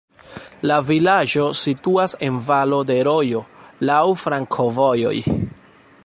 La vilaĝo situas en valo de rojo, laŭ flankovojoj.